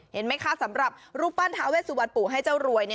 เห็นไหมคะสำหรับรูปปั้นทาเวสุวรรณปู่ให้เจ้ารวย